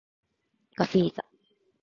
ガフィーザ